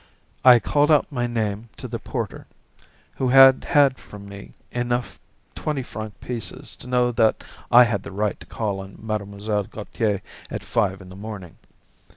I called out my name to the porter, who had had from me enough twenty franc pieces to know that I had the right to call on Mlle. Gautier at five in the morning.